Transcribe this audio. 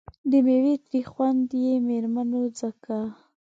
د میوې تریخ خوند یې مېرمنو څکه.